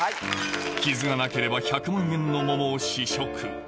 傷がなければ１００万円の桃を試食